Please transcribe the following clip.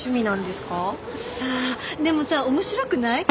でもさ面白くない？